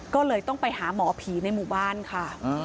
ก็เลยต้องไปหาหมอผีในหมู่บ้านค่ะ